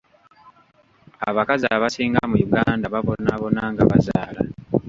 Abakazi abasinga mu Uganda babonaabona nga bazaala.